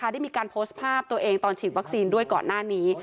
ได้มีการโพสต์ภาพตัวเองตอนฉีดวัคซีนด้วยก่อนหน้านี้